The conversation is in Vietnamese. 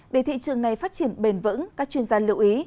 để thị trường này phát triển bền vững các chuyên gia lưu ý